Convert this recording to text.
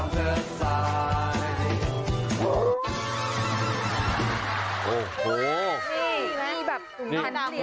เขาเรียกว่าอะไรคะเป็นตั้น